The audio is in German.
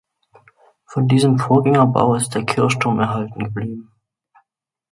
Von diesem Vorgängerbau ist der Kirchturm erhalten geblieben.